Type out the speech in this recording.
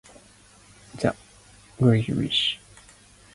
The Upper School campus is located on Maher Avenue in Greenwich.